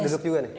duduk juga nih